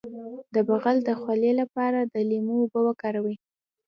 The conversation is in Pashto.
د بغل د خولې لپاره د لیمو اوبه وکاروئ